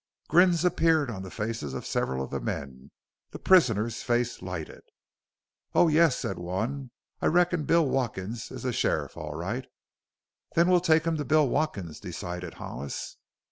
Grins appeared on the faces of several of the men; the prisoner's face lighted. "Oh, yes," said one; "I reckon Bill Watkins is the sheriff all right." "Then we'll take him to Bill Watkins," decided Hollis.